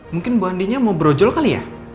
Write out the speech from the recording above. mungkin bu andinya mau brojol kali ya